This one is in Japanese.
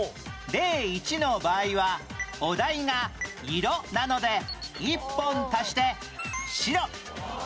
例１の場合はお題が「色」なので１本足して「白」